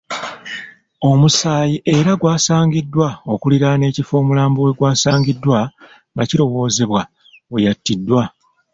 Omusaayi era gusaangiddwa okuliraana ekifo omulambo wegwasangiddwa nga kirowoozebwa weyatiddwa.